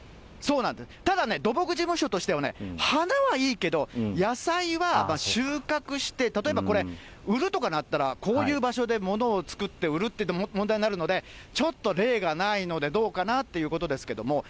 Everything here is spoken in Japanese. ただね、土木事務所としてはね、花はいいけど、野菜は収穫して、例えばこれ、売るとかなったら、こういう場所で物を作って売るっていうのは問題になるので、ちょっと例がないので、どうかなっていうことですけども。